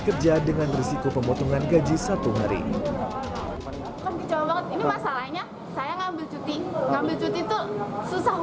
kerja dengan risiko pemotongan gaji satu hari ini masalahnya saya ngambil cuti cuti itu susah